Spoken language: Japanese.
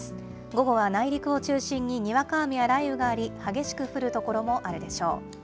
午後は内陸を中心ににわか雨や雷雨があり、激しく降る所もあるでしょう。